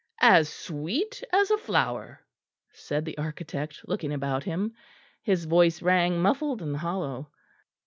"As sweet as a flower," said the architect, looking about him. His voice rang muffled and hollow.